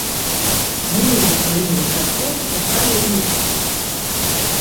Мы яе прымем такой, якая ёсць.